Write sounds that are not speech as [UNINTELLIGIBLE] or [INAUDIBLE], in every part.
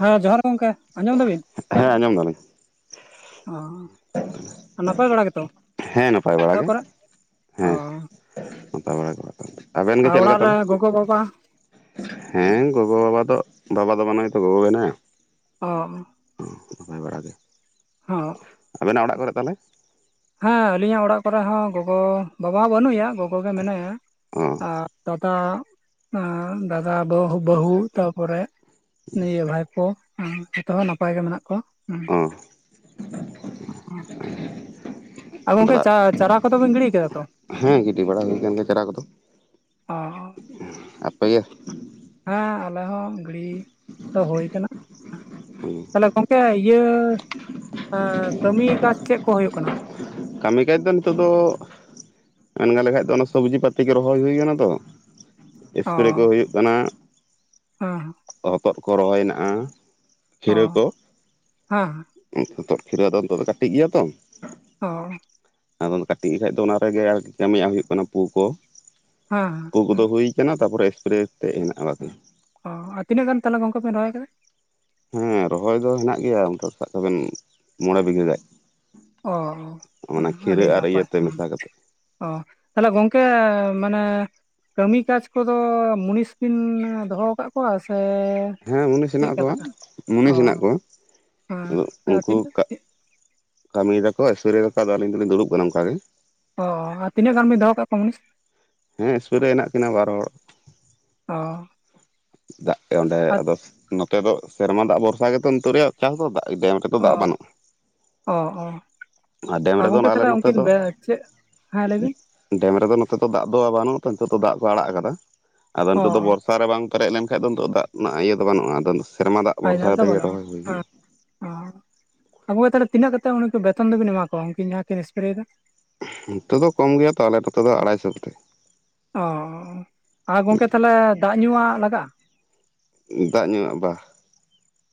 ᱦᱮᱸ ᱡᱚᱦᱟᱨ ᱜᱮ ᱜᱚᱝᱠᱮ ᱟᱸᱡᱚᱢ ᱫᱟᱵᱤᱱ ᱦᱮᱸ ᱟᱸᱡᱚᱢ ᱫᱟᱞᱤᱧ ᱚ ᱱᱟᱯᱟᱭ ᱵᱟᱲᱟ ᱜᱮᱛᱚ ᱦᱮᱸ ᱱᱟᱯᱟᱭ ᱵᱟᱲᱟ ᱚᱲᱟᱜ ᱜᱮ ᱠᱚᱨᱮ ᱚ ᱦᱮᱸ ᱱᱟᱯᱟᱭ ᱵᱟᱲᱟ ᱟᱵᱮᱱ ᱜᱮ ᱟᱨ ᱪᱮᱫ ᱞᱮᱠᱟ ᱚᱲᱟᱜ ᱨᱮ ᱛᱟᱦᱚᱞᱮ ᱜᱚᱜᱚ ᱵᱟᱵᱟ ᱦᱮᱸ ᱜᱚᱜᱚ ᱵᱟᱵᱟ ᱫᱚ ᱵᱟᱵᱟ ᱫᱚ ᱵᱟᱹᱱᱩᱭᱟ ᱛᱚ ᱜᱚᱜᱚ ᱢᱮᱱᱟᱭᱟ ᱚ ᱚ ᱱᱟᱯᱟᱭ ᱵᱟᱲᱟ ᱜᱮ ᱦᱚ ᱟᱵᱮ ᱱᱟᱜ ᱚᱲᱟᱜ ᱠᱚᱨᱮ ᱛᱟᱦᱚᱞᱮ ᱦᱮᱸ ᱟᱹᱞᱤ ᱟᱜ ᱚᱲᱟᱜ ᱠᱚ ᱨᱮ ᱦᱚᱸ ᱜᱚ ᱜᱚ ᱵᱟᱵᱟ ᱦᱚᱸ ᱵᱟᱹᱱᱩᱭᱟ ᱜᱚᱜᱚ ᱜᱮ ᱢᱮᱱᱟᱭᱟ ᱚ ᱟᱨ ᱛᱟᱛᱟ ᱮᱸᱻ ᱫᱟᱫᱟ, ᱵᱟᱹᱦᱩ, ᱛᱟᱯᱚᱨᱮ ᱱᱤᱭᱟᱹ ᱵᱷᱟᱭ ᱯᱚ ᱡᱷᱚᱛᱚ ᱦᱚᱸ ᱱᱟᱯᱟᱭ ᱜᱮ ᱢᱮᱱᱟᱜ ᱠᱚᱣᱟ ᱦᱩᱸ, ᱚ ᱟᱨ ᱜᱚᱝᱠᱮ ᱫᱟᱜ ᱪᱟᱨᱟ ᱠᱚᱫᱚ ᱵᱮᱱ ᱜᱤᱲᱤ ᱠᱟᱫᱟ ᱛᱚ ᱦᱮᱸ ᱜᱤᱰᱤ ᱵᱟᱲᱟ ᱦᱩᱭ ᱟᱠᱟᱱ ᱜᱮᱭᱟ ᱪᱟᱨᱟ ᱠᱚᱫᱚ ᱚ ᱟᱯᱮ ᱜᱮ ᱦᱮᱸ ᱟᱞᱮ ᱦᱚᱸ ᱜᱤᱲᱤ ᱫᱚ ᱦᱳᱭ ᱠᱟᱱᱟ ᱾ ᱛᱟᱞᱮ ᱜᱚᱝᱠᱮ ᱤᱭᱟᱹ ᱠᱟᱹᱢᱤ ᱠᱟᱡ ᱪᱮᱫ ᱠᱚ ᱦᱳᱭᱳᱜ ᱠᱟᱱᱟ? ᱠᱟᱹᱢᱤ ᱠᱷᱟᱡ ᱫᱚ ᱱᱤᱛᱚᱜ ᱫᱚ, ᱢᱮᱱ ᱜᱟᱱ ᱞᱮᱠᱷᱟᱡ ᱫᱚ ᱚᱱᱟ ᱥᱚᱵᱡᱽᱤ ᱯᱟᱛᱤ ᱠᱚ ᱨᱚᱦᱚᱭ ᱦᱩᱭ ᱠᱟᱱᱟ ᱛᱚ ᱮᱥᱯᱮᱨᱮ ᱠᱚ ᱦᱩᱭᱩᱜ ᱠᱟᱱᱟ ᱾ ᱚ ᱦᱚᱛᱚᱫ ᱠᱚ ᱨᱚᱦᱚᱭ ᱦᱮᱱᱟᱜᱼᱟ ᱚ ᱪᱤᱨᱟᱹ ᱠᱚ ᱦᱮᱸ ᱦᱚᱛᱚᱫ ᱠᱷᱤᱨᱟᱹ ᱫᱚ ᱱᱤᱛᱚᱜ ᱫᱚ ᱠᱟᱹᱴᱤᱡ ᱜᱮᱭᱟ ᱛᱚ, ᱚ ᱟᱫᱚ ᱠᱟᱹᱴᱤᱡ ᱠᱷᱟᱡ ᱫᱚ ᱚᱱᱟ ᱨᱮᱜᱮ ᱟᱨᱠᱤ ᱠᱟᱹᱢᱤᱭᱟᱜ ᱦᱳᱭᱳᱜ ᱠᱟᱱᱟ ᱯᱩ ᱠᱚ ᱦᱮᱸ ᱯᱩ ᱦᱮᱸ ᱠᱚᱫᱚ ᱦᱩᱭ ᱠᱟᱱᱟ ᱛᱟᱯᱚᱨᱮ ᱮᱥᱯᱮᱨᱮ ᱛᱮᱫ ᱦᱮᱱᱟᱜᱼᱟ ᱵᱟᱠᱤ ᱚ ᱟᱨ ᱛᱤᱱᱟᱹᱜ ᱜᱟᱱ ᱛᱟᱦᱚᱞᱮ ᱜᱚᱝᱠᱮ ᱵᱮᱱ ᱨᱚᱦᱚᱭ ᱟᱠᱟᱫᱟ? ᱦᱮᱸ ᱨᱚᱦᱚᱭ ᱫᱚ ᱦᱮᱸᱱᱟᱜ ᱜᱮᱭᱟ ᱚᱱᱠᱟ ᱥᱟᱵ ᱠᱟᱜ ᱵᱮᱱ ᱢᱚᱬᱮ ᱵᱤᱜᱷᱟᱹ ᱜᱟᱱ ᱚ ᱟᱹᱰᱤ ᱟᱨ ᱱᱟᱯᱟᱭ ᱤᱭᱟᱹᱛᱮ ᱦᱮᱸ ᱢᱮᱥᱟ ᱠᱟᱛᱮᱫ ᱚ ᱛᱟᱦᱞᱮ ᱜᱚᱝᱠᱮ ᱢᱟᱱᱮ ᱠᱟᱹᱢᱤ ᱠᱟᱡᱽ ᱠᱚᱫᱚ ᱢᱩᱱᱤᱥ ᱵᱤᱱ ᱫᱚᱦᱚ ᱟᱠᱟᱫ ᱠᱚᱣᱟ ᱥᱮ ᱦᱮᱸ ᱢᱩᱱᱤᱥ ᱦᱮᱱᱟᱜ ᱪᱮᱫᱠᱟ ᱠᱚᱣᱟ ᱞᱮᱠᱟ ᱢᱩᱱᱤᱥ ᱚ ᱦᱮᱱᱟᱜ ᱠᱚᱣᱟ ᱦᱮᱸ ᱩᱱᱠᱩ ᱛᱤᱱᱟᱹᱜ ᱠᱟᱹᱢᱤ ᱫᱟᱠᱚ ᱮᱥᱯᱨᱮᱫᱟᱠᱚ ᱟᱫᱚ ᱟᱞᱤᱧ ᱫᱚᱞᱤᱧ ᱫᱩᱲᱩᱵ ᱠᱟᱱᱟ ᱚᱱᱠᱟ ᱜᱮ ᱚ ᱟᱨ ᱛᱤᱱᱟᱹᱜ ᱜᱟᱱ ᱵᱤᱱ ᱫᱚᱦᱚ ᱠᱟᱜ ᱠᱚᱣᱟ ᱢᱚᱱᱤᱥ ᱦᱮᱸ ᱮᱥᱯᱨᱮ ᱦᱮᱱᱟᱜ ᱠᱤᱱᱟ ᱵᱟᱨ ᱦᱚᱲ ᱚ ᱫᱟᱜ ᱜᱮ ᱚᱸᱰᱮ ᱟᱨ ᱟᱫᱚ ᱱᱚᱛᱮ ᱫᱚ ᱥᱮᱨᱢᱟ ᱫᱟᱜ ᱵᱷᱚᱨᱥᱟ ᱜᱮᱛᱚ ᱨᱮᱭᱟᱜ ᱪᱟᱥ ᱫᱚ ᱫᱟᱜ ᱰᱮᱢ ᱨᱮ ᱡᱚᱛᱚ ᱚ ᱫᱟᱜ ᱵᱟᱹᱱᱩᱜ-ᱟ ᱾ ᱚ ᱚ ᱰᱮᱢ ᱟᱨ ᱨᱮᱫᱚ ᱜᱚᱝᱠᱮ ᱟᱞᱮ ᱛᱟᱦᱚᱞᱮ ᱱᱚᱛᱮ ᱩᱱᱠᱤᱱ ᱫᱚ ᱪᱮᱫ ᱦᱮᱸ ᱞᱟᱹᱭ ᱵᱤᱱ ᱰᱮᱢ ᱨᱮᱫᱚ ᱱᱚᱛᱮ ᱫᱚ ᱫᱟᱜ ᱫᱚ ᱵᱟᱹᱱᱩᱜ ᱟᱠᱟᱫᱟ ᱛᱚ ᱱᱤᱛᱚᱜ ᱫᱚ ᱫᱟᱜ ᱠᱚ ᱟᱲᱟᱜ ᱟᱠᱟᱫᱟ ᱟᱫᱚ ᱚ ᱱᱤᱛᱚᱜ ᱫᱚ ᱚ ᱵᱚᱨᱥᱟ ᱨᱮ ᱵᱟᱝ ᱯᱮᱨᱮᱡ ᱞᱮᱱᱠᱷᱟᱱᱡ ᱫᱚ ᱱᱤᱛᱚᱜ ᱫᱟᱜ ᱨᱮᱱᱟᱜ ᱤᱭᱟᱹᱫᱚ ᱵᱟᱹᱱᱩᱜ-ᱟ, ᱟᱫᱚ ᱥᱮᱨᱢᱟ ᱫᱟᱜ ᱟᱡᱷᱟᱨ ᱵᱷᱚᱨᱥᱟ ᱫᱚ ᱛᱮᱜᱮ ᱵᱟᱹᱱᱩᱜᱼᱟ ᱨᱚᱦᱚᱭ ᱦᱩᱭ ᱠᱟᱱᱟ ᱦᱮᱸ ᱾ ᱚ ᱟᱵᱚ ᱛᱟᱦᱚᱞᱮ ᱛᱤᱱᱟᱹᱜ ᱠᱟᱛᱮᱫ ᱩᱱᱠᱩ ᱵᱮᱛᱚᱱ ᱫᱚᱵᱤᱱ ᱮᱢᱟ ᱠᱚᱣᱟ ᱩᱱᱠᱤᱱ ᱡᱟᱦᱟᱸ ᱠᱤᱱ ᱮᱥᱯᱨᱮᱫᱟ, ᱱᱚᱛᱮ ᱫᱚ ᱠᱚᱢ ᱜᱮᱭᱟ ᱛᱚ ᱟᱞᱮ ᱱᱚᱛᱮ ᱫᱚ ᱟᱲᱟᱭᱥᱚ ᱠᱟᱛᱮ ᱚ ᱟᱨ ᱜᱚᱝᱠᱮ ᱛᱟᱦᱚᱞᱮ ᱫᱟᱜ ᱧᱩᱣᱟᱜ ᱞᱟᱜᱟᱜ-ᱟ ᱾ ᱫᱟᱜ ᱧᱩᱣᱟᱜ ᱵᱟ ᱾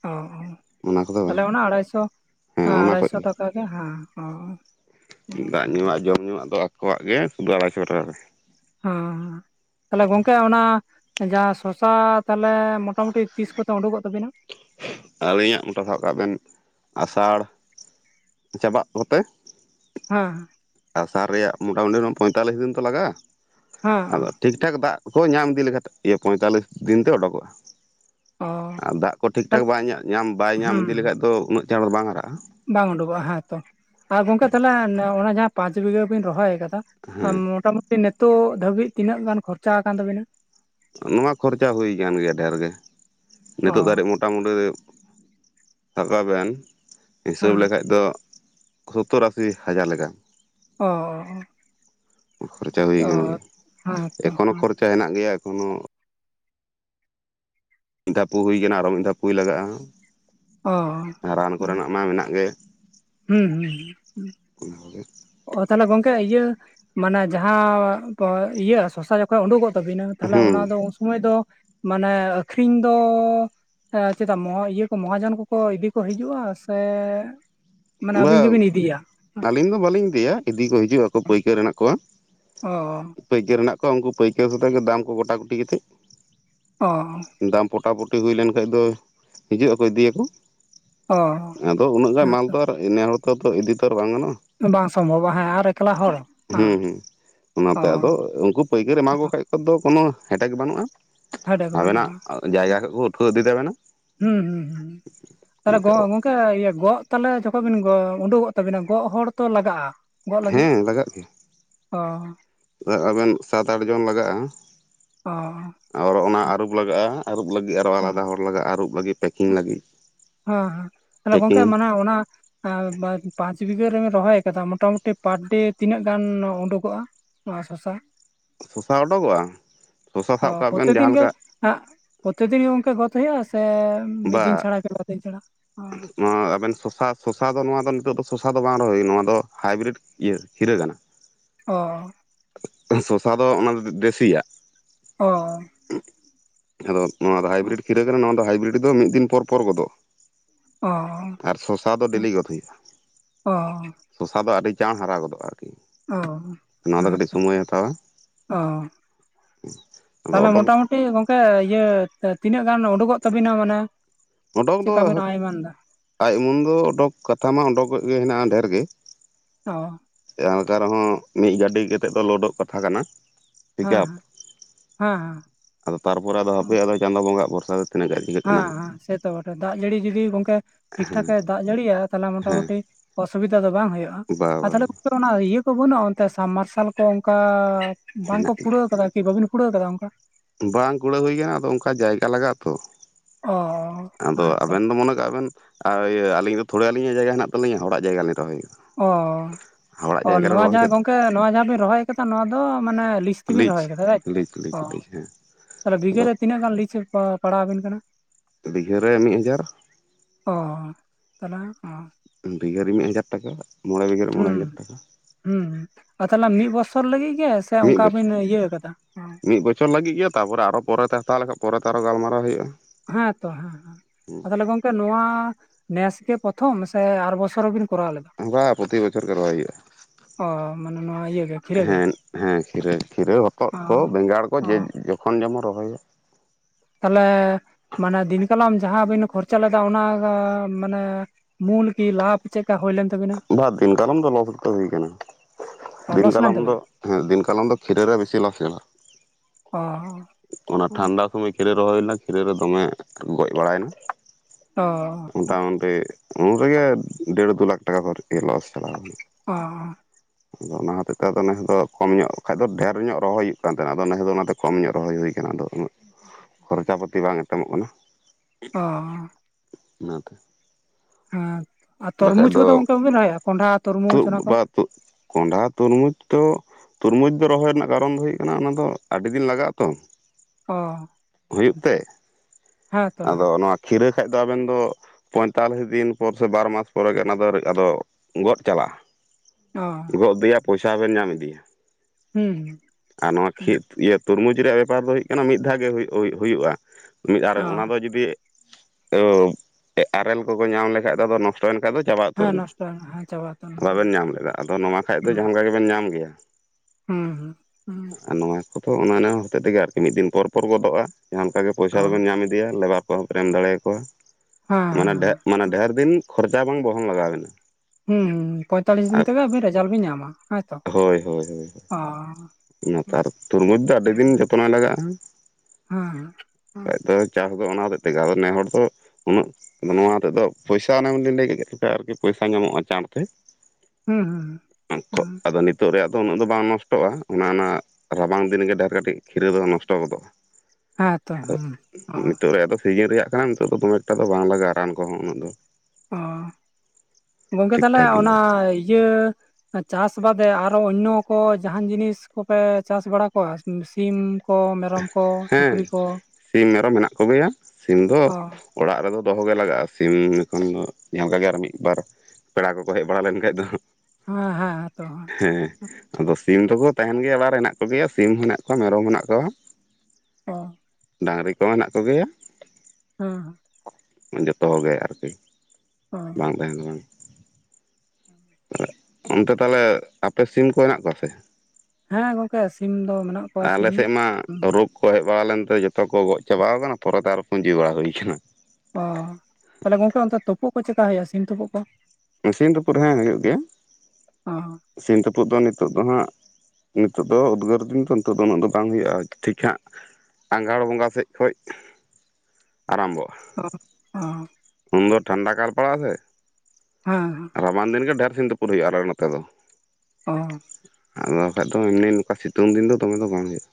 ᱚ ᱵᱟᱝ ᱛᱟᱦᱚᱞᱮ ᱚᱱᱟ ᱟᱲᱟᱭᱥᱚ ᱾ ᱦᱮ ᱦᱮᱸ ᱚᱱᱟ ᱠᱷᱚᱡ ᱟᱲᱟᱭᱥᱚ ᱴᱟᱠᱟ ᱜᱮ ᱦᱮᱸ ᱦᱚ ᱫᱟᱜ ᱧᱩᱣᱟᱜ ᱡᱚᱢ ᱧᱩᱩᱣᱟᱜ ᱫᱚ ᱟᱠᱚᱣᱟᱜ ᱥᱩᱫᱷᱩ ᱟᱲᱟᱭᱥᱚ ᱴᱟᱠᱟ ᱜᱮ, ᱦᱟᱸ ᱛᱟᱦᱚᱞᱮ ᱜᱚᱝᱠᱮ ᱚᱱᱟ ᱡᱟᱦᱟᱸ ᱥᱚᱥᱟ ᱛᱟᱦᱚᱞᱮ ᱢᱚᱴᱟ ᱢᱩᱴᱤ ᱛᱤᱥ ᱠᱚᱛᱮ ᱩᱰᱩᱠᱚᱜ ᱛᱟᱵᱤᱱᱟ? ᱟᱹᱞᱤᱧᱟᱜ ᱜᱚᱴᱟ ᱥᱟᱵ ᱠᱟᱜ ᱵᱮᱱ ᱟᱥᱟᱲ ᱪᱟᱵᱟᱜ ᱠᱚᱛᱮ ᱦᱟᱸ ᱟᱥᱟᱨ ᱨᱮᱭᱟᱜ ᱢᱚᱴᱟ ᱢᱩᱴᱤ ᱯᱚᱭᱛᱟᱞᱤᱥ ᱫᱤᱱ ᱛᱚ ᱞᱟᱜᱟᱜᱼᱟ ᱾ ᱦᱟᱸ ᱾ ᱟᱫᱚ ᱴᱷᱤᱠ ᱴᱷᱟᱠ ᱫᱟᱜ ᱠᱚ ᱧᱟᱢ ᱤᱫᱤ ᱞᱮᱠᱷᱟᱱ ᱯᱚᱸᱭᱛᱟᱞᱞᱤᱥ ᱫᱤᱱᱛᱮ ᱚᱰᱳᱠᱚᱜ-ᱟ ᱾ ᱚ ᱟᱨ ᱫᱟᱜ ᱠᱚ ᱴᱷᱤᱠ ᱴᱷᱟᱠ ᱛᱟᱦᱚᱞᱮ ᱵᱟᱭ ᱧᱟᱢ ᱵᱟᱭ ᱧᱟᱢ ᱦᱩᱸ ᱤᱫᱤ ᱞᱮᱠᱟᱱᱡ ᱫᱚ ᱩᱱᱟᱹᱜ ᱪᱟᱬ ᱫᱚ ᱵᱟᱝ ᱦᱟᱨᱟᱜ-ᱟ ᱾ ᱵᱟᱝ ᱩᱰᱩᱠᱚᱜ-ᱟ, ᱦᱮᱸᱛᱚ ᱟᱨ ᱜᱚᱝᱠᱮ ᱛᱟᱦᱚᱞᱮ ᱚᱱᱟ ᱡᱟᱦᱟᱸ ᱯᱟᱸᱪ ᱵᱤᱜᱷᱟᱹ ᱵᱤᱱ ᱨᱚᱦᱚᱭ ᱟᱠᱟᱫᱟ ᱟᱨ ᱦᱮᱸ ᱢᱚᱴᱟᱢᱩᱴᱤ ᱱᱤᱛᱚᱜ ᱫᱷᱟᱹᱵᱤᱡ ᱛᱤᱱᱟᱹᱜ ᱜᱟᱱ ᱠᱷᱚᱨᱪᱟ ᱠᱟᱱ ᱛᱟᱵᱤᱱᱟ? ᱱᱚᱣᱟ ᱠᱷᱚᱨᱪᱟ ᱦᱩᱭ ᱟᱠᱟᱱ ᱜᱮᱭᱟ ᱰᱷᱮᱨ ᱜᱮ ᱚ ᱱᱤᱛᱚᱜ ᱫᱟᱹᱨᱤᱡ ᱢᱚᱴ ᱢᱚᱴᱟᱢᱩᱴᱤ ᱥᱟᱵ ᱠᱟᱜ ᱵᱤᱱ ᱦᱤᱥᱟᱹᱵ ᱦᱮᱸ ᱞᱮᱠᱷᱟᱡ ᱫᱚ ᱥᱳᱛᱛᱳᱨ ᱟᱥᱤ ᱦᱟᱡᱟᱨ ᱞᱮᱠᱟ ᱚ ᱠᱷᱚᱨᱪᱟ ᱦᱩᱭ ᱚ ᱚ ᱟᱠᱟᱱ ᱜᱮᱭᱟ ᱦᱮᱸ ᱛᱚ ᱮᱠᱷᱚᱱᱚ ᱠᱷᱚᱨᱪᱟ ᱦᱮᱱᱟᱜ ᱜᱮᱭᱟ ᱮᱠᱷᱚᱱᱚ ᱢᱤᱫ ᱫᱷᱟᱣ ᱯᱩ ᱦᱩᱭ ᱠᱟᱱᱟ ᱟᱨ ᱢᱤᱫ ᱫᱷᱟᱣ ᱯᱩᱭ ᱞᱟᱜᱟᱜ-ᱟ᱾ ᱚ ᱟᱭᱢᱟ ᱢᱮᱱᱟᱜ ᱜᱮ ᱦᱩᱸ ᱦᱩᱸ ᱚᱱᱟ ᱠᱚᱜᱮ ᱚ ᱛᱟᱦᱚᱞᱮ ᱜᱚᱝᱠᱮ ᱤᱭᱟᱹ ᱢᱟᱱᱮ ᱡᱟᱦᱟᱸ ᱤᱭᱟᱹ ᱥᱚᱥᱟ ᱠᱚ ᱩᱰᱩᱠᱚᱜ ᱛᱟᱵᱤᱱᱟ ᱛᱟᱦᱚᱞᱮ ᱦᱩᱸ ᱚᱱᱟ ᱫᱚ ᱩᱱᱥᱚᱢᱚᱭ ᱫᱚ ᱢᱟᱱᱮ ᱟᱹᱠᱷᱨᱤᱧ ᱫᱚ ᱪᱮᱫᱟᱜ ᱤᱭᱟᱹ ᱠᱚ ᱢᱚᱦᱟᱡᱚᱱ ᱠᱚᱠᱚ ᱤᱫᱤ ᱠᱚ ᱦᱤᱡᱩᱜ-ᱟ ᱥᱮ ᱢᱟᱱᱮ ᱟᱹᱵᱤᱱ ᱵᱟᱝ ᱜᱮᱵᱤᱱ ᱤᱫᱤᱭᱟ ᱟᱞᱤᱧ ᱫᱚ ᱵᱟᱹᱞᱤᱧ ᱤᱫᱤᱭᱟ ᱤᱫᱤ ᱠᱚ ᱦᱤᱡᱩᱜ-ᱟ ᱯᱟᱹᱭᱠᱟᱹᱨ ᱢᱮᱱᱟᱜ ᱠᱚᱣᱟ᱾ ᱚ ᱯᱟᱹᱭᱠᱟᱹᱨ ᱢᱮᱱᱟᱜ ᱠᱚᱣᱟ ᱩᱱᱠᱩ ᱯᱟᱹᱭᱠᱟᱹᱨ ᱥᱟᱛᱮᱜ ᱜᱮ ᱫᱟᱢ ᱠᱚ ᱜᱚᱴᱟ ᱜᱩᱴᱤ ᱠᱟᱛᱮᱫ ᱚ ᱫᱟᱢ ᱯᱚᱴᱟᱯᱚᱴᱤ ᱦᱩᱭ ᱞᱮᱱ ᱠᱷᱟᱱᱡ ᱫᱚ ᱦᱤᱡᱩᱜ ᱟᱠᱚ ᱤᱫᱤᱭᱟᱠᱚ ᱚ ᱟᱫᱚ ᱩᱱᱟᱹᱜ ᱜᱟᱱ ᱢᱟᱞ ᱦᱮᱸᱛᱚ ᱛᱚ ᱟᱨ ᱤᱱᱟᱹ ᱦᱚᱲ ᱛᱟ ᱤᱫᱤ ᱛᱟ ᱟᱨ ᱵᱟᱝ ᱜᱟᱱᱚᱜ-ᱟ᱾ ᱵᱟᱝ ᱥᱚᱢᱵᱷᱚᱵᱼᱟ ᱦᱮᱸ ᱟᱨ ᱮᱠᱞᱟ ᱦᱚᱲ ᱦᱮᱸ ᱦᱩᱸ ᱦᱩᱸ ᱚ ᱚᱱᱟᱛᱮ ᱟᱫᱚ ᱩᱱᱠᱩ ᱯᱟᱹᱭᱠᱟᱹᱨ ᱮᱢᱟᱠᱚ ᱠᱷᱟᱡ ᱠᱚᱫᱚ ᱠᱳᱱᱳ ᱮᱴᱮᱠ ᱵᱟᱹᱱᱩᱜ-ᱟ᱾ ᱦᱮᱰᱮᱠ ᱟᱵᱮᱱᱟᱜ ᱵᱟᱹᱱᱩᱜᱼᱟ ᱡᱟᱭᱜᱟ ᱠᱷᱚᱱ ᱠᱚ ᱩᱴᱷᱟᱹᱣ ᱤᱫᱤ ᱛᱟᱵᱮᱱᱟ ᱦᱩᱸ ᱦᱩᱸ ᱦᱩᱸ ᱛᱟᱦᱚᱞᱮ ᱜᱚ [UNINTELLIGIBLE] ᱜᱚᱝᱠᱮ ᱤᱭᱟᱹ ᱜᱚᱜ ᱛᱟᱞᱮ ᱡᱚᱠᱷᱚᱱ ᱵᱮᱱ ᱜᱚᱜ ᱩᱰᱚᱠᱚᱜ ᱛᱟᱵᱮᱱᱟ ᱜᱚᱜ ᱦᱚᱲ ᱛᱚ ᱞᱟᱜᱟᱜᱼᱟ ᱜᱚᱜ ᱞᱟᱹᱜᱤᱫ ᱦᱮᱸ ᱞᱟᱜᱟᱜ ᱚ ᱜᱮᱭᱟ᱾ ᱟᱵᱮᱱ ᱥᱟᱛ ᱟᱴ ᱡᱚᱱ ᱞᱟᱜᱟᱜᱼᱟ ᱚ ᱟᱨ ᱚᱱᱟ ᱟᱹᱨᱩᱵ ᱞᱟᱜᱟᱜᱼᱟ᱾ ᱟᱹᱨᱩᱵ ᱞᱟᱹᱜᱤᱫ ᱟᱨᱚ ᱚ ᱟᱞᱟᱫᱟ ᱦᱚᱲ ᱞᱟᱜᱟᱜᱼᱟ ᱟᱹᱨᱩᱵ ᱞᱟᱹᱜᱤᱫ ᱯᱮᱠᱤᱝ ᱞᱟᱹᱜᱤᱫ᱾ ᱦᱮᱸ ᱦᱮᱸ ᱛᱟᱦᱚᱞᱮ ᱜᱚᱢᱠᱮ ᱯᱮᱠᱤᱝ ᱢᱟᱱᱮ ᱚᱱᱟ ᱯᱟᱸᱪ ᱵᱤᱜᱷᱟᱹ ᱨᱮᱢ ᱨᱚᱦᱚᱭ ᱟᱠᱟᱫᱟ ᱢᱳᱴᱟ ᱢᱳᱴᱤ ᱯᱟᱨᱰᱮ ᱛᱤᱱᱟᱹᱜ ᱜᱟᱱ ᱩᱰᱩᱠᱚᱜᱼᱟ᱾ ᱱᱚᱣᱟ ᱥᱚᱥᱟ ᱥᱚᱥᱟ ᱚᱰᱩᱠᱚᱜᱼᱟ ᱥᱚᱥᱟ ᱥᱟᱵ ᱠᱟᱜ ᱵᱮᱱ ᱡᱟᱦᱟᱸ ᱞᱮᱠᱟ ᱦᱮᱸ ᱯᱨᱚᱛᱤ ᱫᱤᱱ ᱜᱮ ᱜᱚᱢᱠᱮ ᱜᱚᱫ ᱦᱩᱭᱩᱜᱼᱟ ᱥᱮ ᱢᱤᱫ ᱫᱤᱱ ᱵᱟ ᱪᱷᱟᱲᱟ ᱜᱮ ᱫᱤᱱ ᱪᱷᱟᱲᱟ? [INAUDIBLE] ᱱᱚᱣᱟ ᱟᱵᱮᱱ ᱥᱚᱥᱟ ᱥᱚᱥᱟ ᱫᱚ ᱱᱚᱣᱟ ᱫᱚ ᱱᱤᱛᱚᱜ ᱫᱚ ᱥᱚᱥᱟ ᱫᱚ ᱵᱟᱝ ᱨᱚᱦᱚᱭ ᱦᱩᱭᱩᱜ ᱱᱚᱣᱟ ᱫᱚ ᱦᱟᱭᱵᱨᱤᱰ ᱤᱭᱟᱹ ᱠᱷᱤᱨᱟᱹ ᱠᱟᱱᱟ᱾ ᱚ ᱥᱚᱥᱟ ᱫᱚ ᱚᱱᱟ ᱫᱚ ᱫᱮᱥᱤᱭᱟᱜ᱾ ᱚ ᱟᱫᱚ ᱱᱚᱣᱟ ᱫᱚ ᱦᱟᱭᱵᱨᱤᱰ ᱠᱷᱤᱨᱟᱹ ᱠᱟᱱᱟ ᱱᱚᱣᱟ ᱫᱚ ᱦᱟᱭᱵᱨᱤᱰ ᱫᱚ ᱢᱤᱫ ᱫᱤᱱ ᱯᱚᱨ ᱯᱚᱨ ᱜᱚᱫᱚᱜ ᱚ ᱟᱨ ᱥᱚᱥᱟ ᱫᱚ ᱰᱮᱞᱤ ᱜᱚᱫ ᱦᱩᱭᱩᱜᱼᱟ᱾ ᱚ ᱥᱚᱥᱟ ᱫᱚ ᱟᱹᱰᱤ ᱪᱟᱬ ᱦᱟᱨᱟ ᱜᱚᱫᱚᱜᱼᱟ ᱟᱨᱠᱤ ᱱᱚᱣᱟ ᱚ ᱫᱚ ᱠᱟᱹᱴᱤᱡ ᱦᱮᱸᱛᱚ ᱥᱚᱢᱚᱭᱮ ᱦᱟᱛᱟᱣᱟ᱾ ᱚ ᱟᱫᱚ ᱛᱟᱦᱚᱞᱮ ᱚᱰᱳᱠ ᱢᱳᱴᱟᱼᱢᱳᱴᱤ ᱜᱚᱢᱠᱮ ᱤᱭᱟᱹ ᱛᱤᱱᱟᱹᱜ ᱜᱟᱱ ᱩᱰᱩᱠᱚᱜ ᱛᱟᱵᱮᱱᱟ ᱢᱟᱱᱮ ᱩᱰᱚᱠ ᱫᱚ ᱪᱮᱫᱠᱟ ᱵᱤᱱ ᱟᱭᱢᱟᱱ ᱮᱫᱟ ᱟᱭᱩᱢᱚᱱ ᱫᱚ ᱚᱰᱚᱠ ᱠᱟᱛᱷᱟ ᱢᱟ ᱩᱰᱚᱠᱚᱜ ᱜᱮ ᱦᱮᱱᱟᱜᱼᱟ ᱰᱷᱮᱨ ᱜᱮ ᱚ ᱡᱟᱦᱟᱸ ᱞᱮᱠᱟ ᱨᱮᱦᱚᱸ ᱢᱤᱫ ᱜᱟᱹᱰᱤ ᱠᱟᱛᱮᱜ ᱫᱚ ᱞᱚᱰᱚᱜ ᱠᱟᱛᱷᱟ ᱠᱟᱱᱟ᱾ ᱦᱮᱸ ᱯᱤᱠᱟᱯ ᱦᱮᱸ ᱦᱮᱸ ᱦᱮᱸ ᱟᱫᱚ ᱛᱟᱨᱯᱚᱨᱮ ᱟᱫᱚ ᱦᱟᱯᱮᱭᱟᱜ ᱫᱚ ᱪᱟᱸᱫᱳ ᱵᱚᱸᱜᱟᱼᱟᱜ ᱵᱷᱚᱨᱥᱟ ᱛᱤᱱᱟᱹᱜ ᱜᱟᱱ ᱪᱤᱠᱟᱹᱜ ᱠᱟᱱᱟ ᱦᱮᱸ ᱦᱮᱸ ᱥᱮᱛᱚ ᱵᱚᱴᱮ ᱫᱟᱜ ᱡᱟᱹᱲᱤ ᱡᱩᱫᱤ ᱜᱚᱢᱠᱮ ᱴᱷᱤᱠ ᱴᱷᱟᱠ ᱮ ᱫᱟᱜ ᱡᱟᱹᱲᱤᱭᱟ ᱛᱟᱦᱚᱞᱮ ᱦᱮᱸ ᱢᱳᱴᱟᱼᱢᱳᱴᱤ ᱚᱥᱩᱵᱤᱫᱷᱟ ᱫᱚ ᱵᱟᱝ ᱦᱩᱭᱩᱜᱼᱟ ᱵᱟᱝ ᱟᱨ ᱵᱟᱝ ᱛᱟᱦᱚᱞᱮ ᱜᱚᱢᱠᱮ ᱚᱱᱟ ᱤᱭᱟᱹ ᱠᱚ ᱵᱟᱹᱱᱩᱜᱼᱟ᱾ ᱚᱱᱛᱮ ᱥᱟᱵᱽᱢᱟᱨᱥᱟᱞ ᱠᱚ ᱚᱱᱠᱟ ᱵᱟᱝᱠᱚ ᱦᱮᱱᱟᱜ ᱠᱩᱲᱟᱹᱣ ᱠᱟᱫᱟ ᱠᱤ ᱵᱟᱹᱵᱤᱱ ᱠᱩᱲᱟᱹᱣ ᱟᱠᱟᱫᱟ ᱚᱱᱠᱟ ᱵᱟᱝ ᱠᱩᱲᱟᱹᱣ ᱦᱩᱭ ᱟᱠᱟᱱᱟ᱾ ᱟᱫᱚ ᱚᱱᱠᱟ ᱡᱟᱭᱜᱟ ᱞᱟᱜᱟᱜᱼᱟ ᱛᱚ᱾ ᱚ ᱟᱫᱚ ᱦᱮᱸᱛᱚ ᱟᱵᱮᱱ ᱫᱚ ᱢᱚᱱᱮ ᱠᱟᱜ ᱵᱮᱱ ᱟᱨ ᱤᱭᱟᱹ ᱟᱹᱞᱤᱧ ᱫᱚ ᱛᱷᱳᱲᱮ ᱟᱹᱞᱤᱧᱟᱜ ᱡᱟᱭᱜᱟ ᱦᱮᱱᱟᱜ ᱛᱟᱞᱤᱧᱟ ᱦᱚᱲᱟᱜ ᱡᱟᱭᱜᱟ ᱞᱤᱧ ᱨᱚᱦᱚᱭᱮᱫᱼᱟ ᱚ ᱚ ᱱᱚᱣᱟ ᱡᱟᱦᱟᱸ ᱠᱟᱛᱮ ᱜᱚᱢᱠᱮ ᱱᱚᱣᱟ ᱡᱟᱦᱟᱸ ᱵᱮᱱ ᱨᱚᱦᱚᱭ ᱟᱠᱟᱫᱟ ᱱᱚᱣᱟ ᱫᱚ ᱢᱟᱱᱮ ᱞᱤᱥ ᱞᱤᱡᱽ ᱛᱮ ᱵᱮᱱ ᱞᱤᱡ ᱨᱚᱦᱚᱭ ᱟᱠᱟᱫᱟ ᱞᱤᱡ ᱚ ᱞᱤᱡ ᱞᱤᱡ ᱦᱮᱸ ᱛᱟᱦᱚᱞᱮ ᱵᱤᱜᱷᱟᱹ ᱟᱫᱚ ᱨᱮ ᱛᱤᱱᱟᱹᱜ ᱜᱟᱱ ᱞᱤᱡᱽ ᱯᱟᱲᱟᱣᱟᱵᱮᱱ ᱠᱟᱱᱟ ᱵᱤᱜᱷᱟᱹ ᱨᱮ ᱢᱤᱫ ᱦᱟᱡᱟᱨ ᱚ ᱛᱟᱦᱚᱞᱮ ᱚ ᱵᱤᱜᱷᱟᱹ ᱨᱮ ᱢᱤᱫ ᱦᱟᱡᱟᱨ ᱴᱟᱠᱟ ᱢᱚᱬᱮ ᱵᱤᱜᱷᱟᱹ ᱨᱮ ᱢᱚᱬᱮ ᱦᱩᱸ ᱦᱟᱡᱟᱨ ᱴᱟᱠᱟ ᱦᱩᱸ ᱟ ᱛᱟᱦᱚᱞᱮ ᱢᱤᱫ ᱵᱚᱪᱷᱚᱨ ᱞᱟᱹᱜᱤᱫ ᱜᱮ ᱥᱮ ᱢᱤᱫ ᱚᱱᱠᱟ ᱵᱚᱪᱷᱚᱨ ᱵᱮᱱ ᱤᱭᱟᱹ ᱟᱠᱟᱫᱟ ᱢᱤᱫ ᱵᱚᱪᱷᱚᱨ ᱞᱟᱹᱜᱤᱫ ᱜᱮ ᱛᱟᱯᱚᱨ ᱟᱨᱚ ᱯᱚᱨᱮ ᱦᱟᱛᱟᱣ ᱞᱮᱠᱷᱟᱡ ᱯᱚᱨᱮᱛᱮ ᱟᱨᱚ ᱜᱟᱞᱢᱟᱨᱟᱣ ᱦᱩᱭᱩᱜ-ᱟ ᱾ ᱦᱮᱸ ᱛᱚ ᱦᱮᱸ ᱦᱮᱸ ᱛᱟᱦᱚᱞᱮ ᱜᱚᱢᱠᱮ ᱱᱚᱣᱟ ᱱᱮᱥ ᱜᱮ ᱯᱨᱚᱛᱷᱚᱢ ᱥᱮ ᱟᱨ ᱵᱚᱪᱷᱚᱨ ᱦᱚᱸ ᱵᱮᱱ ᱠᱚᱨᱟᱣ ᱞᱮᱫᱟ ᱵᱟᱝ ᱯᱨᱚᱛᱤ ᱵᱚᱪᱷᱚᱨ ᱜᱮ ᱨᱚᱦᱚᱭ ᱦᱩᱭᱩᱜᱼᱟ ᱚ ᱢᱟᱱᱮ ᱱᱚᱣᱟ ᱤᱭᱟᱹ ᱠᱷᱤᱨᱟᱹ ᱜᱮ ᱦᱮᱸ ᱦᱮᱸ ᱠᱷᱤᱨᱟᱹ ᱠᱷᱤᱨᱟᱹ ᱦᱚᱛᱚᱫ ᱚ ᱠᱚ ᱵᱮᱸᱜᱟᱲ ᱠᱚ ᱚ ᱡᱮ ᱡᱚᱠᱷᱚᱱ ᱡᱮᱢᱚᱱ ᱨᱚᱦᱚᱭᱟ ᱛᱟᱦᱚᱞᱮ ᱢᱟᱱᱮ ᱫᱤᱱᱠᱟᱞᱚᱢ ᱡᱟᱦᱟᱸ ᱵᱮᱱ ᱠᱷᱚᱨᱪᱟ ᱞᱮᱫᱟ ᱚᱱᱟ ᱢᱟᱱᱮ ᱢᱩᱞ ᱠᱤ ᱞᱟᱵᱷ ᱪᱮᱠᱟ ᱦᱩᱭ ᱞᱮᱱ ᱛᱟᱵᱤᱱᱟ ᱵᱟᱝ ᱫᱤᱱᱠᱟᱞᱚᱢ ᱫᱚ ᱞᱚᱥ ᱨᱮᱛᱚ ᱦᱩᱭ ᱠᱟᱱᱟ ᱚ ᱞᱚᱥ ᱞᱮᱱ ᱫᱤᱱᱠᱟᱞᱚᱢ ᱫᱚ ᱛᱟᱵᱤᱱᱟ ᱦᱮᱸ ᱫᱤᱱᱠᱟᱞᱚᱢ ᱫᱚ ᱠᱷᱤᱨᱟᱹ ᱨᱮ ᱵᱮᱥᱤ ᱞᱚᱥ ᱪᱟᱞᱟᱜ ᱚ ᱚᱱᱟ ᱴᱷᱟᱱᱰᱟ ᱥᱚᱢᱚᱭ ᱠᱷᱤᱨᱮ ᱨᱚᱦᱚᱭᱱᱟ ᱠᱷᱤᱨᱮ ᱨᱮ ᱫᱚᱢᱮ ᱜᱚᱡ ᱵᱟᱲᱟᱭᱮᱱᱟ ᱚ ᱢᱳᱚᱴᱟᱢᱩᱴᱤ ᱩᱱ ᱨᱮᱜᱮ ᱰᱮᱲ ᱫᱩ ᱞᱟᱠᱷ ᱴᱟᱠᱟ ᱫᱷᱚ ᱞᱚᱥ ᱪᱟᱞᱟᱣ ᱠᱟᱱᱟ ᱚ ᱟᱫᱚ ᱚᱱᱟ ᱦᱚᱛᱮᱡ ᱛᱮ ᱱᱮᱥ ᱫᱚ ᱠᱚᱢ ᱧᱚᱜ ᱵᱟᱠᱷᱟᱡ ᱫᱚ ᱰᱷᱮᱨ ᱧᱚᱜ ᱨᱚᱦᱚᱭ ᱦᱩᱭᱩᱜ ᱠᱟᱱ ᱛᱟᱦᱮᱱ ᱟᱫᱚ ᱱᱮᱥ ᱫᱚᱛᱮ ᱠᱚᱢ ᱧᱚᱜ ᱨᱚᱦᱚᱭ ᱦᱩᱭ ᱟᱠᱟᱱᱟ ᱟᱫᱚ ᱩᱱᱟᱹᱜ ᱠᱷᱚᱨᱪᱟ ᱯᱟᱟᱹᱛᱤ ᱵᱟᱝ ᱮᱛᱟᱢᱚᱜ ᱠᱟᱱᱟ ᱚᱸ ᱚᱱᱟᱛᱮ ᱦᱮᱸ ᱟᱨ ᱵᱟᱠᱷᱟᱡ ᱛᱚᱨᱢᱩᱡᱽ ᱠᱚᱫᱚ ᱫᱚ ᱚᱱᱠᱟ ᱵᱟᱵᱤᱱ ᱨᱚᱦᱚᱭᱮᱜᱼᱟ ᱠᱚᱱᱰᱷᱟ ᱛᱩᱫ ᱛᱚᱨᱢᱩᱡᱽ ᱚᱱᱟ ᱠᱚ ᱵᱟ ᱠᱚᱸᱰᱷᱟ ᱛᱩᱨᱢᱩᱡᱽ ᱫᱚ ᱛᱩᱨᱢᱩᱡᱽ ᱫᱚ ᱨᱚᱦᱚᱭ ᱨᱮᱱᱟᱜ ᱠᱟᱨᱚᱱ ᱫᱚ ᱦᱳᱭᱳᱜ ᱠᱟᱱᱟ ᱚᱱᱟ ᱫᱚ ᱟᱹᱰᱤ ᱫᱤᱱ ᱞᱟᱜᱟᱜ ᱟ ᱛᱚ ᱚ ᱦᱩᱭᱩᱜ ᱛᱮ ᱦᱮᱸ ᱛᱚ ᱦᱮᱸ ᱟᱫᱚ ᱱᱚᱶᱟ ᱠᱷᱤᱨᱟᱹ ᱠᱷᱟᱡ ᱫᱚ ᱟᱵᱮᱱ ᱫᱚ ᱯᱚᱸᱭᱛᱟᱞᱞᱤᱥ ᱫᱤᱱ ᱯᱚᱨ ᱥᱮ ᱵᱟᱨ ᱢᱟᱥ ᱯᱚᱨᱮ ᱜᱮ ᱚᱱᱟ ᱫᱚ ᱟᱫᱚ ᱜᱚᱫ ᱪᱟᱞᱟᱜᱼᱟ ᱚ ᱜᱚᱫ ᱯᱚᱭᱥᱟ ᱦᱚᱵᱮᱱ ᱧᱟᱢ ᱤᱫᱤᱭᱟ ᱦᱩᱸ ᱟᱨ ᱱᱚᱣᱟ ᱦᱩᱸ ᱠᱷᱤᱨ ᱤᱭᱟᱹ ᱛᱩᱨᱢᱩᱡᱽ ᱨᱮᱭᱟᱜ ᱵᱮᱯᱟᱨ ᱫᱚ ᱦᱩᱭᱩᱜ ᱠᱟᱱᱟ ᱢᱤᱫ ᱫᱷᱟᱣ ᱜᱮ ᱦᱩᱭᱩᱜ ᱦᱩᱭᱩᱜᱼᱟ ᱢᱤᱫ ᱟᱨ ᱚ ᱚᱱᱟ ᱫᱚ ᱡᱩᱫᱤ ᱟᱨᱮᱞ ᱠᱚᱠᱚ ᱧᱟᱢ ᱞᱮᱠᱷᱟᱡ ᱫᱚ ᱟᱫᱚ ᱱᱚᱥᱴᱚᱭᱮᱱ ᱠᱷᱟᱡ ᱫᱚ ᱪᱟᱵᱟ ᱦᱮᱸ ᱩᱛᱟᱨᱮᱱᱟ ᱱᱚᱥᱴᱚᱭᱮᱱᱟ ᱦᱮᱸ ᱪᱟᱵᱟ ᱩᱛᱟᱹᱨ ᱮᱱᱟ ᱦᱮᱸ ᱵᱟᱵᱮᱱ ᱧᱟᱢ ᱞᱮᱫᱟ ᱟᱫᱚ ᱱᱚᱣᱟ ᱠᱷᱟᱡ ᱫᱚ ᱡᱟᱦᱟᱸᱞᱮᱠᱟ ᱜᱮᱵᱮᱱ ᱧᱟᱢ ᱜᱮᱭᱟ ᱦᱮᱸ ᱦᱮᱸ ᱟᱨ ᱱᱚᱣᱟ ᱠᱚᱫᱚ ᱚᱱᱟ ᱦᱚᱛᱮᱫ ᱛᱮᱜᱮ ᱟᱨᱠᱤ ᱢᱤᱫ ᱫᱤᱱ ᱯᱚᱨ ᱯᱚᱨ ᱜᱚᱫᱚᱜᱼᱟ ᱡᱟᱦᱟᱸ ᱞᱮᱠᱟᱜᱮ ᱯᱚᱭᱥᱟ ᱚ ᱫᱚᱵᱮᱱ ᱧᱟᱢ ᱤᱫᱤᱭᱟ ᱞᱮᱵᱟᱨ ᱠᱚᱦᱚᱸ ᱵᱮᱱ ᱮᱢ ᱫᱟᱲᱮᱭᱟᱠᱚᱣᱟ ᱦᱮᱸ ᱢᱟᱱᱮ ᱦᱮᱸ ᱢᱟᱱᱮ ᱰᱷᱮᱨ ᱫᱤᱱ ᱠᱷᱚᱨᱪᱟ ᱵᱟᱝ ᱵᱚᱦᱚᱱ ᱞᱟᱜᱟᱣᱵᱮᱱᱟ ᱦᱩᱸ ᱦᱩᱸ ᱯᱚᱭᱛᱟᱞᱞᱤᱥ ᱫᱤᱱ ᱛᱮᱜᱮ ᱟᱵᱤᱱ ᱨᱮᱡᱟᱞ ᱵᱤᱱ ᱧᱟᱢᱟ ᱦᱳᱭ ᱛᱚ ᱱᱮᱛᱟᱨ ᱛᱩᱨᱢᱩᱡᱽ ᱫᱚ ᱟᱹᱰᱤ ᱫᱤᱱ ᱡᱚᱛᱚᱱ ᱞᱟᱜᱟᱜᱼᱟ ᱦᱮᱸ ᱦᱩᱸ ᱵᱟᱠᱷᱟᱡ ᱫᱚ ᱪᱟᱥ ᱫᱚ ᱚᱱᱟ ᱦᱚᱛᱮᱡ ᱛᱮᱜᱮ ᱟᱫᱚ ᱱᱮ ᱦᱚᱲ ᱫᱚ ᱩᱱᱟᱹᱜ ᱱᱚᱣᱟ ᱛᱮᱫ ᱯᱚᱭᱥᱟ ᱚᱱᱮᱞᱤᱧ ᱞᱟᱹᱭ ᱠᱮᱫ ᱟᱨᱠᱤ ᱯᱚᱭᱥᱟ ᱧᱟᱢᱚᱜᱼᱟ ᱪᱟᱬ ᱛᱮ ᱦᱩᱸ ᱦᱩᱸ ᱦᱩᱸ ᱟᱫᱚ ᱱᱤᱛᱚᱜ ᱨᱮᱭᱟᱜ ᱫᱚ ᱩᱱᱟᱹᱜ ᱫᱚ ᱵᱟᱝ ᱱᱚᱥᱴᱚᱜᱼᱟ ᱚᱱᱟ ᱚᱱᱟ ᱨᱟᱵᱟᱝ ᱫᱤᱱᱜᱮ ᱰᱮᱨ ᱠᱟᱹᱴᱤᱡ ᱠᱷᱤᱨᱟᱹ ᱫᱚ ᱱᱚᱥᱴᱚ ᱜᱚᱫᱚᱜᱼᱟ ᱦᱮᱸᱛᱚ ᱟᱫᱚ ᱦᱩᱸ ᱚ ᱱᱤᱛᱚᱜ ᱨᱮᱭᱟᱜ ᱫᱚ ᱥᱤᱡᱤᱱ ᱨᱮᱭᱟᱜ ᱠᱟᱱᱟ ᱱᱤᱛᱳ ᱫᱚ ᱫᱚᱢᱮ ᱮᱠᱴᱟ ᱫᱚ ᱵᱟᱝ ᱞᱟᱜᱟᱜᱼᱟ ᱨᱟᱱ ᱠᱚᱦᱚᱸ ᱩᱱᱟᱹᱜ ᱫᱚ ᱚ ᱜᱚᱢᱠᱮ ᱴᱷᱤᱠ ᱛᱟᱦᱚᱞᱮ ᱴᱷᱟᱠ ᱜᱮ ᱚᱱᱟ ᱤᱭᱟᱹ ᱪᱟᱥ ᱵᱟᱫᱮ ᱟᱨᱚ ᱚᱱᱱᱚ ᱠᱚ ᱡᱟᱦᱟᱱ ᱡᱤᱱᱤᱥ ᱠᱚᱯᱮ ᱪᱟᱥ ᱵᱟᱲᱟ ᱠᱚᱣᱟ ᱥᱤᱢ ᱠᱚ ᱢᱮᱨᱚᱢ ᱠᱚ ᱦᱮᱸ ᱥᱩᱠᱨᱤ ᱠᱚ ᱥᱤᱢ ᱢᱮᱨᱚᱢ ᱢᱮᱱᱟᱜ ᱠᱚᱜᱮᱭᱟ ᱥᱤᱢ ᱫᱚ ᱚ ᱚᱲᱟᱜ ᱨᱮᱫᱚ ᱫᱚᱦᱚ ᱜᱮ ᱞᱟᱜᱟᱜᱼᱟ ᱥᱤᱢ ᱮᱠᱷᱚᱱ ᱫᱚ ᱡᱟᱦᱟᱸ ᱞᱮᱠᱟᱜᱮ ᱟᱨ ᱢᱤᱫᱵᱟᱨ ᱯᱮᱲᱟ ᱠᱚᱠᱚ ᱦᱮᱡ ᱵᱟᱲᱟ ᱞᱮᱱᱠᱷᱟᱡ ᱫᱚ ᱦᱮᱸ ᱦᱮᱸ ᱦᱮᱸᱛᱚ ᱦᱟᱸᱜ ᱦᱮᱸ ᱟᱫᱚ ᱥᱤᱢ ᱫᱚᱠᱚ ᱛᱟᱦᱮᱱ ᱜᱮᱭᱟ ᱚᱲᱟᱜ ᱨᱮ ᱦᱮᱱᱟᱜ ᱠᱚᱜᱮᱭᱟ ᱥᱤᱢ ᱦᱮᱱᱟᱜ ᱠᱚᱣᱟ ᱢᱮᱨᱚᱢ ᱦᱮᱱᱟᱜ ᱠᱚᱣᱟ ᱚᱻ ᱰᱟᱹᱝᱨᱤ ᱠᱚᱦᱚᱸ ᱢᱮᱱᱟᱜ ᱠᱚᱜᱮᱭᱟ ᱦᱩᱸ ᱦᱩᱸᱻ ᱡᱚᱛᱚ ᱜᱮ ᱟᱨᱠᱤ ᱚ ᱵᱟᱝ ᱛᱟᱦᱮᱱ ᱫᱚ ᱵᱟᱝ ᱚᱱᱛᱮ ᱛᱟᱦᱚᱞᱮ ᱟᱯᱮ ᱥᱤᱢ ᱠᱚ ᱦᱮᱱᱟᱜ ᱠᱚᱣᱟ ᱥᱮ ᱦᱮᱸ ᱜᱚᱝᱠᱮ ᱥᱤᱢ ᱫᱚ ᱢᱮᱱᱟᱜ ᱠᱚᱣᱟ ᱟᱞᱮ ᱥᱤᱢ ᱥᱮᱫ ᱢᱟ ᱨᱳᱜᱽ ᱠᱚ ᱦᱮᱡ ᱵᱟᱲᱟ ᱞᱮᱱᱛᱮ ᱡᱚᱛᱚ ᱠᱚ ᱜᱚᱡ ᱪᱟᱵᱟᱣᱟᱠᱟᱱᱟ ᱯᱚᱨᱮᱛᱮ ᱟᱨᱚ ᱯᱩᱸᱡᱤ ᱵᱟᱲᱟ ᱦᱩᱭ ᱠᱟᱱᱟ ᱚᱻ ᱛᱟᱦᱚᱞᱮ ᱜᱚᱝᱠᱮ ᱚᱱᱛᱮ ᱛᱩᱯᱩᱜ ᱠᱚ ᱪᱮᱠᱠᱟ ᱦᱩᱭᱩᱜᱼᱟ ᱥᱤᱢ ᱛᱩᱯᱩᱜ ᱠᱚ ᱥᱤᱢ ᱛᱩᱯᱩᱫ ᱦᱮᱸ ᱦᱩᱭᱩᱜ ᱜᱮᱭᱟ ᱚ ᱥᱤᱢ ᱛᱩᱯᱩᱜ ᱫᱚ ᱱᱤᱛᱚᱜ ᱫᱚ ᱦᱟᱸᱜ ᱱᱤᱛᱚᱜ ᱫᱚ ᱩᱫᱽᱜᱟᱹᱨ ᱫᱤᱱ ᱛᱚ ᱱᱤᱛᱚᱜ ᱫᱚ ᱩᱱᱟᱹᱜ ᱫᱚ ᱵᱟᱝ ᱦᱩᱭᱩᱜᱼᱟ ᱴᱷᱤᱠ ᱦᱟᱸᱜ ᱟᱸᱜᱷᱟᱲ ᱵᱚᱸᱜᱟ ᱥᱮᱡ ᱠᱷᱚᱡ ᱟᱨᱟᱢᱵᱷᱚᱜᱼᱟ ᱚᱦᱻ ᱩᱱᱫᱚ ᱴᱷᱟᱱᱰᱟ ᱠᱟᱞ ᱯᱟᱲᱟᱜᱼᱟ ᱥᱮ ᱦᱮᱸ ᱦᱮᱸ ᱨᱟᱵᱟᱝ ᱫᱤᱱ ᱜᱮ ᱰᱷᱮᱨ ᱥᱤᱢ ᱛᱩᱯᱩᱫ ᱦᱩᱭᱩᱜ-ᱟ ᱟᱞᱮ ᱱᱚᱛᱮ ᱫᱚ᱾ ᱚᱻ ᱟᱫᱚ ᱵᱟᱠᱷᱟᱡ ᱫᱚ ᱮᱢᱱᱤ ᱱᱤᱝᱠᱟ ᱥᱤᱛᱩᱝ ᱫᱤᱱ ᱫᱚ ᱫᱚᱢᱮ ᱫᱚ ᱵᱟᱝ ᱦᱩᱭᱩᱜ-ᱟ᱾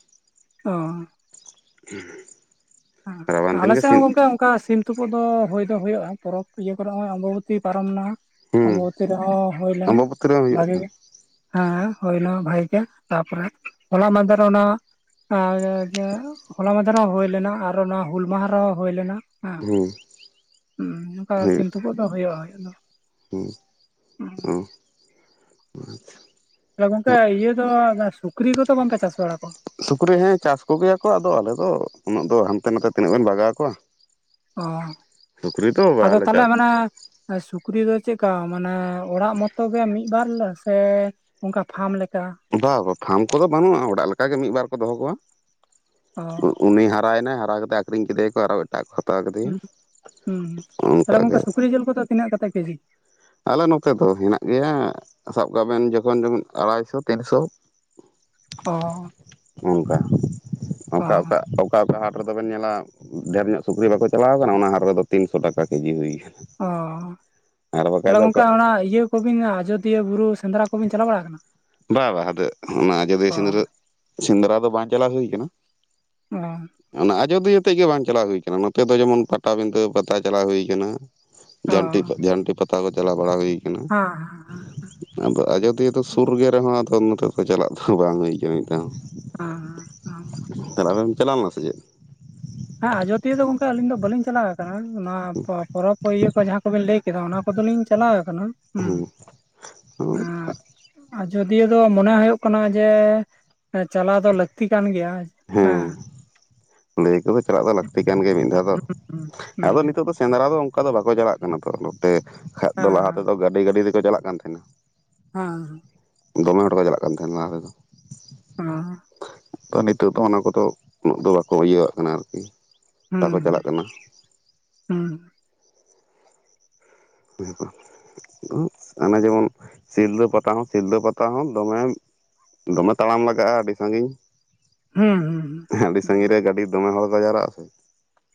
ᱚᱸ ᱦᱚᱻ [INAUDIBLE] ᱦᱮᱸ ᱨᱟᱵᱟᱝ ᱫᱤᱱ ᱟᱞᱮ ᱜᱮ ᱥᱮᱜ ᱦᱚᱸ ᱥᱤᱢ ᱜᱚᱝᱠᱮ ᱚᱱᱠᱟ ᱥᱤᱢᱼᱼ ᱛᱩᱯᱩᱫ ᱫᱚ ᱦᱩᱭ ᱫᱚ ᱦᱩᱭᱩᱜ-ᱟ ᱯᱚᱨᱚᱵᱽ ᱤᱭᱟᱹ ᱠᱚᱨᱮ ᱦᱚᱸᱜ-ᱚᱭ ᱟᱢᱵᱟᱵᱚᱛᱤ ᱯᱟᱨᱚᱢ ᱮᱱᱟ᱾ ᱦᱩᱸ ᱟᱢᱵᱟᱵᱚᱛᱤ ᱨᱮᱦᱚᱸ ᱦᱩᱭ ᱞᱮᱱᱟ ᱟᱢᱵᱟᱵᱚᱛᱤ ᱨᱮ ᱦᱩᱭᱩᱜᱼᱟ ᱵᱷᱟᱹᱜᱤ ᱜᱮ ᱦᱮᱸ ᱦᱩᱭ ᱱᱟ ᱵᱷᱟᱹᱜᱤ ᱜᱮ ᱛᱟᱯᱚᱨᱮ ᱦᱚᱞᱟ ᱢᱟᱦᱫᱮᱨ ᱦᱚᱸ ᱱᱟᱜ ᱟᱨ ᱦᱚᱞᱟ ᱢᱟᱦᱫᱮᱨ ᱦᱚᱸ ᱦᱩᱭ ᱞᱮᱱᱟ ᱟᱨᱦᱚᱸ ᱱᱚᱣᱟ ᱦᱩᱞ ᱢᱟᱦᱟ ᱨᱮᱦᱚᱸ ᱦᱩᱭ ᱞᱮᱱᱟ ᱦᱮᱸ ᱦᱩᱸ ᱦᱩᱸ ᱚᱱᱠᱟ ᱥᱤᱢ ᱦᱩᱭᱩᱜ ᱛᱩᱯᱩᱜ ᱫᱚ ᱦᱩᱭᱩᱜ-ᱟ ᱟᱫᱚ ᱦᱩᱸ [UNINTELLIGIBLE] ᱛᱟᱦᱮᱞᱮ‌ ᱜᱚᱝᱠᱮ ᱤᱭᱟᱹ ᱫᱚ ᱟᱫᱚ ᱥᱩᱠᱨᱤ ᱠᱚᱫᱚ ᱵᱟᱝ ᱯᱮ ᱪᱟᱥ ᱵᱟᱲᱟ ᱠᱚᱣᱟ? ᱥᱩᱠᱨᱤ ᱦᱮᱸ ᱪᱟᱥ ᱠᱚᱜᱮ ᱭᱟᱠᱚ ᱟᱫᱚ ᱟᱞᱮ ᱫᱚ ᱩᱱᱟᱹᱜ ᱫᱚ ᱦᱟᱱᱛᱮ ᱱᱟᱛᱮ ᱛᱤᱱᱟᱹᱜ ᱵᱮᱱ ᱵᱟᱜᱟᱣ ᱠᱚᱣᱟ ᱚ ᱦᱚᱻ ᱥᱩᱠᱨᱤ ᱫᱚ ᱟᱫᱚ ᱵᱟᱞᱮ ᱛᱟᱦᱚᱞᱮ ᱪᱟᱥ ᱢᱟᱱᱮ ᱥᱩᱠᱨᱤ ᱫᱚ ᱪᱮᱜ ᱠᱟ ᱢᱟᱱᱮ ᱚᱲᱟᱜ ᱢᱚᱛᱚ ᱜᱮ ᱢᱤᱫ ᱵᱟᱨ ᱞᱮ ᱥᱮᱼᱼ ᱚᱱᱠᱟ ᱯᱷᱟᱢ ᱞᱮᱠᱟ ᱵᱟ ᱵᱟᱝ ᱯᱷᱟᱢ ᱠᱚᱫᱚ ᱵᱟᱱᱩᱜ-ᱟ ᱚᱲᱟᱜ ᱞᱮᱠᱟ ᱜᱮ ᱢᱤᱫ ᱵᱟᱨ ᱠᱚ ᱫᱚᱦᱚ ᱠᱚᱣᱟ᱾ ᱚ ᱩᱸ ᱩᱱᱤ ᱦᱟᱨᱟ ᱭᱮᱱᱟᱭ ᱦᱟᱨᱟ ᱠᱟᱛᱮᱜ ᱟᱹᱠᱷᱨᱤᱧ ᱠᱮᱫᱮᱭᱟᱠᱚ ᱟᱨᱦᱚᱸ ᱮᱴᱟᱜ ᱠᱚ ᱦᱟᱛᱟᱣ ᱠᱮᱫᱮᱼᱼ ᱦᱩᱸ ᱦᱩᱸ ᱛᱟᱦᱚᱞᱮ ᱜᱚᱝᱠᱮ ᱥᱩᱠᱨᱤ ᱡᱤᱞ ᱠᱚᱫᱚ ᱛᱤᱱᱟᱹᱜ ᱠᱟᱛᱮᱜ ᱠᱮᱡᱤ? ᱟᱞᱮ ᱱᱚᱛᱮ ᱫᱚ ᱦᱮᱱᱟᱜ ᱜᱮᱭᱟ ᱥᱟᱵ ᱠᱟᱜ ᱵᱮᱱ ᱡᱚᱠᱷᱚᱱ ᱡᱮᱢᱚᱱ ᱟᱲᱟᱭ ᱥᱚ ᱛᱤᱱ ᱥᱚ ᱚ ᱦᱚᱻ ᱚᱝᱠᱟ ᱚᱠᱟ ᱚᱠᱟ ᱚᱠᱼᱼ ᱚᱠᱟ ᱚᱠᱟ ᱦᱟᱴ ᱨᱮᱫᱚ ᱵᱮᱱ ᱧᱮᱞᱟ ᱰᱷᱮᱨ ᱧᱚᱜ ᱥᱩᱠᱨᱤ ᱵᱟᱠᱚ ᱪᱟᱞᱟᱣ ᱠᱟᱱᱟ ᱚᱱᱟ ᱦᱟᱴ ᱨᱮᱫᱚ ᱛᱤᱱᱥᱚ ᱴᱟᱠᱟ ᱠᱮᱡᱤ ᱦᱩᱭ ᱚᱦᱚᱻ ᱟᱠᱟᱱᱟ ᱟᱨ ᱵᱟᱠᱷᱟᱡ ᱛᱟᱦᱚᱞᱮ ᱫᱚ ᱜᱚᱝᱠᱮ ᱚᱠᱟ ᱚᱱᱟᱼᱼ ᱚᱱᱟ ᱤᱭᱟᱹ ᱠᱩᱵᱤᱱ ᱟᱡᱚᱫᱤᱭᱟᱹ ᱵᱩᱨᱩ ᱥᱮᱸᱫᱽᱨᱟ ᱠᱚᱵᱤᱱ ᱪᱟᱞᱟᱣ ᱵᱟᱲᱟ ᱟᱠᱟᱱᱟ? ᱵᱟ ᱵᱟ ᱟᱫᱚ ᱚᱱᱟ ᱟᱡᱚᱫᱤᱭᱟᱹ ᱚ ᱥᱮᱸᱫᱽᱨᱟᱹ ᱥᱮᱸᱫᱽᱨᱟ ᱫᱚ ᱵᱟᱝ ᱪᱟᱞᱟᱣ ᱦᱩᱭ ᱟᱠᱟᱱᱟ᱾ ᱚᱦᱚᱻ ᱚᱱᱟ ᱟᱡᱚᱫᱤᱭᱟᱹ ᱛᱮᱜ ᱜᱮ ᱵᱟᱝ ᱪᱟᱞᱟᱣ ᱦᱩᱭ ᱠᱟᱱᱟ ᱱᱚᱛᱮ ᱫᱚ ᱡᱮᱢᱚᱱ ᱯᱟᱴᱟ ᱵᱤᱸᱫᱷᱟᱹ ᱯᱟᱛᱟ ᱪᱟᱞᱟᱣ ᱦᱩᱭ ᱟᱠᱟᱱᱟ ᱡᱷᱟᱹᱱᱴᱤ ᱡᱷᱟᱹᱱᱴᱤ ᱯᱟᱛᱟ ᱠᱚ ᱪᱟᱞᱟᱣ ᱵᱟᱲᱟ ᱦᱩᱭᱼᱼ ᱦᱟᱸ ᱦᱟᱸ ᱦᱟᱸ᱾ ᱟᱫᱚ ᱟᱡᱚᱫᱤᱭᱟᱹ ᱫᱚ ᱥᱩᱨ ᱜᱮ ᱨᱮᱦᱚᱸ ᱟᱫᱚ ᱱᱚᱛᱮ ᱠᱷᱚᱡ ᱪᱟᱞᱟᱜ ᱫᱚ ᱵᱟᱝ ᱦᱩᱭ ᱟᱠᱟᱱᱟ ᱢᱤᱫ ᱫᱷᱟᱣ ᱦᱚᱸ᱾ ᱦᱮᱸ ᱛᱟᱦᱞᱦᱮ ᱟᱢᱮᱢ ᱪᱟᱞᱟᱣ ᱞᱮᱱᱟ ᱥᱮ ᱪᱮᱫ? ᱦᱮᱸ ᱟᱡᱚᱫᱤᱭᱟᱹ ᱫᱚ ᱜᱚᱝᱠᱮ ᱟᱹᱞᱤᱧ ᱫᱚ ᱵᱟᱹᱞᱤᱧ ᱪᱟᱞᱟᱣ ᱟᱠᱟᱱᱟ ᱱᱚᱣᱟ ᱯᱚᱨᱚᱵᱽ ᱠᱚ ᱤᱭᱟᱹ ᱠᱚ ᱡᱟᱦᱟᱸ ᱠᱚᱵᱤᱱ ᱞᱟᱹᱭᱼᱼ ᱠᱮᱫᱟ ᱚᱱᱟ ᱠᱚᱫᱚ ᱞᱤᱧ ᱪᱟᱞᱟᱣ ᱟᱠᱟᱱᱟ᱾ ᱦᱩᱸ ᱦᱩᱸᱜ ᱦᱩᱸᱜ᱾ ᱟᱡᱚᱫᱤᱭᱟᱹ ᱫᱚ ᱢᱚᱱᱮ ᱦᱩᱭᱩᱜ ᱠᱟᱱᱟ ᱡᱮ ᱪᱟᱞᱟᱣ ᱫᱚ ᱞᱟᱹᱠᱛᱤ ᱠᱟᱱ ᱜᱮᱭᱟ ᱦᱮᱸ᱾ ᱞᱟᱹᱭ ᱟᱠᱚ ᱛᱚ ᱪᱟᱞᱟᱜ ᱫᱚ ᱞᱟᱠᱛᱤ ᱠᱟᱱ ᱜᱮᱭᱟ ᱢᱤᱫ ᱫᱷᱟᱣ ᱫᱚ ᱦᱩᱸ ᱟᱫᱚ ᱱᱤᱛᱚᱜ ᱫᱚ ᱥᱮᱸᱫᱽᱨᱟ ᱫᱚᱼᱼ ᱚᱱᱠᱟ ᱫᱚ ᱵᱟᱠᱚ ᱪᱟᱞᱟᱜ ᱠᱟᱱᱟ ᱛᱚ ᱱᱚᱛᱮ‌ ᱠᱷᱟᱡ ᱫᱚ ᱞᱟᱦᱟ ᱦᱮᱸ ᱛᱮᱫᱚ ᱜᱟᱰᱤ ᱜᱟᱹᱰᱤ ᱛᱮᱠᱚ ᱪᱟᱞᱟᱜ ᱠᱟᱱ ᱛᱟᱦᱮᱸᱱᱟ ᱦᱟᱸ᱾ ᱫᱚᱢᱮ ᱦᱚᱲ ‌ᱠᱚ ᱪᱟᱞᱟᱜ ᱠᱟᱱ ᱛᱟᱦᱮᱸᱱᱟ ᱞᱟᱦᱟ ᱛᱮᱫᱚ᱾ ᱚᱸ᱾ ᱚ ᱱᱤᱛᱩᱜ ᱫᱚ ᱚᱱᱟ ᱠᱚᱫᱚ ᱩᱱᱟᱹᱜ ᱫᱚ ᱵᱟᱠᱚ ᱤᱭᱟᱹᱣᱟᱜ ᱠᱟᱱᱟ ᱟᱨᱠᱤ ᱦᱩᱸ ᱵᱟᱠᱚ ᱪᱟᱞᱟᱜ ᱠᱟᱱᱟ᱾ ᱦᱩᱸ᱾ ᱦᱩᱭ ᱩᱸᱜ ᱚᱱᱮ ᱡᱮᱢᱚᱱ ᱥᱤᱞᱫᱟᱹ ᱯᱟᱛᱟ ᱦᱚᱸ ᱥᱤᱞᱫᱟᱹ ᱯᱟᱛᱟ ᱦᱚᱸ ᱫᱚᱢᱮᱢᱼᱼ ᱫᱚᱢᱮ ᱛᱟᱲᱟᱢ ᱞᱟᱜᱟᱜ-ᱟ ᱟᱰᱤ ᱥᱟᱸᱜᱤᱧ᱾ ᱦᱩᱸ ᱦᱩᱸ᱾ ᱟᱹᱰᱤ ᱥᱟᱺᱜᱤᱧ ᱨᱮ ᱜᱟᱹᱰᱤ ᱫᱚᱢᱮ ᱦᱚᱲ ᱠᱚ ᱡᱟᱣᱨᱟᱜ-ᱟ ᱥᱮ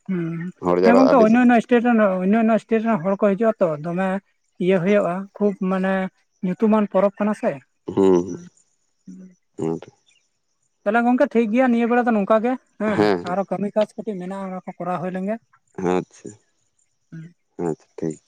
ᱦᱮᱸ ᱦᱚᱲ ᱦᱮᱸ ᱡᱟᱣᱨᱟ ᱜᱚᱝᱠᱮ ᱟᱹᱰᱤ ᱚᱱᱱᱚ ᱚᱱᱱᱚ ᱥᱴᱮᱴ ᱨᱮᱱ ᱚᱱᱱᱚᱱᱱᱚ ᱥᱴᱮᱴ ᱨᱮᱱ ᱦᱚᱲ ᱠᱚ ᱦᱤᱡᱩᱜᱼᱟ ᱛᱚ ᱫᱚᱢᱮ ᱤᱭᱟᱹᱦᱳᱭᱳᱼᱟ ᱠᱷᱩᱵ ᱢᱟᱱᱮ ᱧᱩᱛᱩᱢᱟᱱ ᱯᱚᱨᱚᱵᱽ ᱠᱟᱱᱟ ᱥᱮ ᱦᱩᱸ ᱚᱱᱟ ᱛᱮ ᱛᱟᱦᱚᱞᱮ ᱜᱚᱝᱠᱮ ᱴᱷᱤᱠ ᱜᱮᱭᱟ ᱱᱤᱭᱟᱹ ᱵᱮᱲᱟ ᱫᱚ ᱱᱚᱝᱠᱚ ᱜᱮ ᱦᱮᱸ ᱟᱨᱚ ᱠᱟᱹᱢᱤ ᱠᱟᱡ ᱠᱟᱹᱴᱤᱡ ᱢᱮᱱᱟᱜᱼᱟ ᱚᱱᱟ ᱠᱚ ᱠᱚᱨᱟᱣ ᱦᱩᱭ ᱞᱮᱱᱜᱮ ᱟᱪᱪᱷᱟ ᱟᱪᱪᱷᱟ ᱴᱷᱤᱠ